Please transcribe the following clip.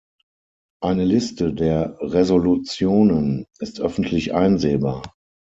Eine Liste der Resolutionen ist öffentlich einsehbar.